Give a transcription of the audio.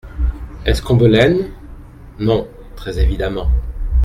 Est-ce Combelaine ?… Non, très évidemment.